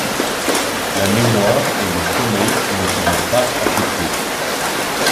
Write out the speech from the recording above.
La mémoire et le sommeil ne seraient pas affectés.